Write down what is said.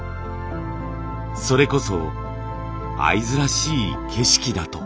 それこそ会津らしい景色だと。